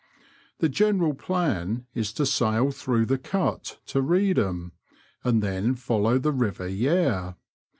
The general plan is to sail through the Cut to Eeedham, and then follow the river Yare.